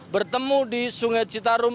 bertemu di sungai citarum